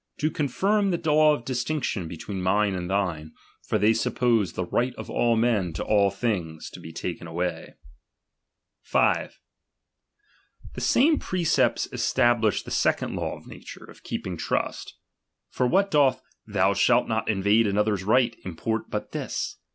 do confirm the law of distinction between mine and thine; for they suppose the right of all men to all things to be taken away. 6. The same precepts establish the second law Ah I ng lobe ( shalt not invade another's right, import, but this